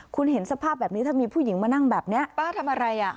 คุณเห็นสภาพแบบนี้ถ้ามีผู้หญิงมานั่งแบบนี้ป้าทำอะไรอ่ะ